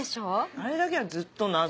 あれだけはずっと謎。